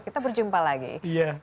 kita berjumpa lagi iya senang sekali